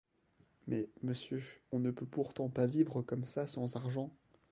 Mais, monsieur, on ne peut pourtant pas vivre comme ça sans argent.